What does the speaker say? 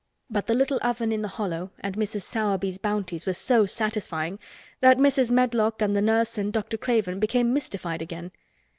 But the little oven in the hollow and Mrs. Sowerby's bounties were so satisfying that Mrs. Medlock and the nurse and Dr. Craven became mystified again.